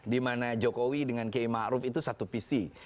dimana jokowi dengan kiai ma'ruf itu satu visi